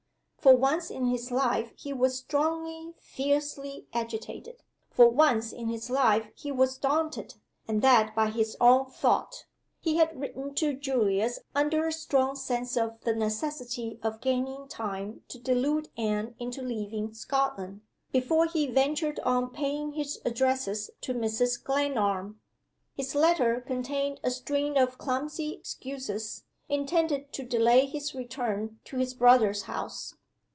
For once in his life he was strongly, fiercely agitated. For once in his life he was daunted and that by his Own Thought! He had written to Julius under a strong sense of the necessity of gaining time to delude Anne into leaving Scotland before he ventured on paying his addresses to Mrs. Glenarm. His letter contained a string of clumsy excuses, intended to delay his return to his brother's house.